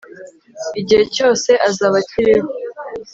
igihe cyose azaba akiriho